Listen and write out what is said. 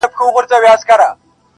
له قلا څخه دباندي یا په ښار کي-